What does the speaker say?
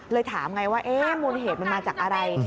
ถามไงว่ามูลเหตุมันมาจากอะไร